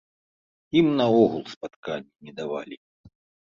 Ім наогул спатканні не давалі.